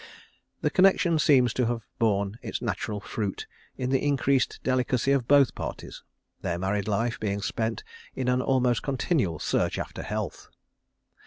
The connection seems to have borne its natural fruit in the increased delicacy of both parties, their married life being spent in an almost continual search after health.